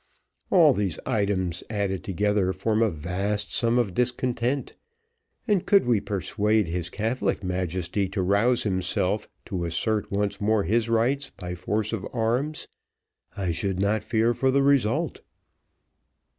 All these items added together, form a vast sum of discontent; and could we persuade his Catholic majesty to rouse himself to assert once more his rights by force of arms, I should not fear for the result."